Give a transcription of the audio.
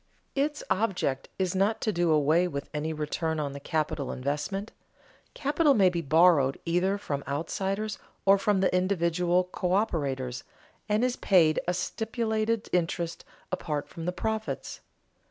_ Its object is not to do away with any return on the capital investment. Capital may be borrowed either from outsiders or from the individual coöperators, and is paid a stipulated interest apart from the profits.